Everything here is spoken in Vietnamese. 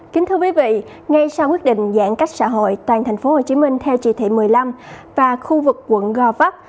kính thưa quý vị ngay sau quyết định giãn cách xã hội toàn thành phố hồ chí minh theo chỉ thị một mươi năm và khu vực quận gò vắc